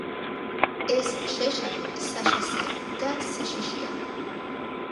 ეს შეშა საშასია და საშიშია